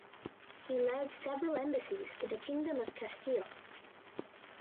He led several embassies to the Kingdom of Castile.